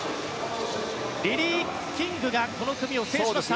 リリー・キングがこの組を制しました。